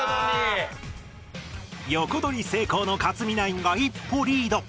横取り成功の克実ナインが一歩リード